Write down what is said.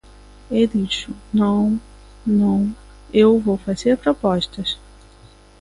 E dixo: non, non, eu vou facer propostas.